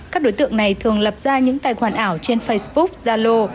các đối tượng này thường lập ra những tài khoản ảo trên facebook zalo